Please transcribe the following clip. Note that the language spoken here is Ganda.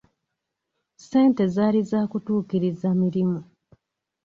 Ssente zaali za kutuukiriza mirimu.